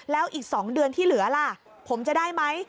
แล้วอีก๒เดือนที่เหลือล่ะผมจะได้ไหม